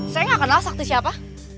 saya gak kenal sakti siapa